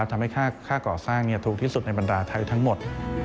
ทำให้ค่าก่อสร้างถูกที่สุดในบรรดาไทยทั้งหมด